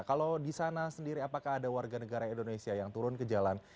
kalau di sana sendiri apakah ada warga negara indonesia yang turun ke jalan